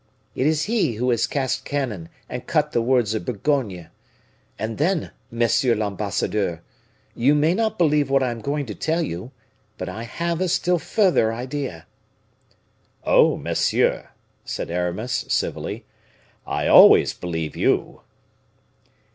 It is he who has cast cannon and cut the woods of Bourgogne. And then, monsieur l'ambassadeur, you may not believe what I am going to tell you, but I have a still further idea." "Oh, monsieur!" said Aramis, civilly, "I always believe you."